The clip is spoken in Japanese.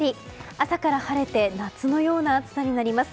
朝から晴れて夏のような暑さになります。